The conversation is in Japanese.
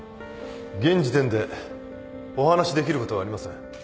現時点でお話しできることはありません。